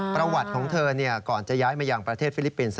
ประวัติของเธอก่อนจะย้ายมาอย่างประเทศฟิลิปปินส์